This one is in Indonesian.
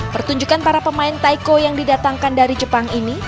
pertunjukan para pemain taiko yang didatangkan dari jepang ini